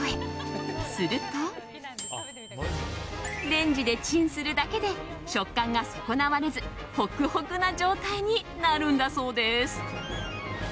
レンジでチンするだけで食感が損なわれずホクホクな状態になるんだそうです。